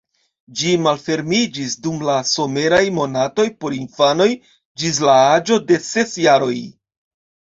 Ĝi malfermiĝis dum la someraj monatoj por infanoj ĝis la aĝo de ses jaroj.